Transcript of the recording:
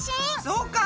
そうか！